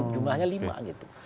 jumlahnya lima gitu